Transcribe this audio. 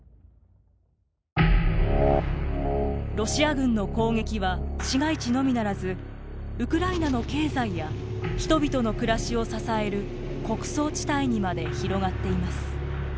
ロシア軍の攻撃は市街地のみならずウクライナの経済や人々の暮らしを支える穀倉地帯にまで広がっています。